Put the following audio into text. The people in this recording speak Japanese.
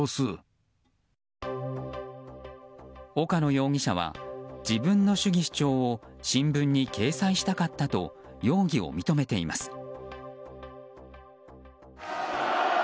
岡野容疑者は自分の主義主張を新聞に掲載したかったと容疑を認めています。